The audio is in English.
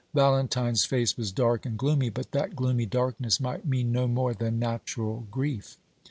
Valentine's face was dark and gloomy; but that gloomy darkness might mean no more than natural grief.